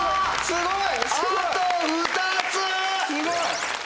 すごい！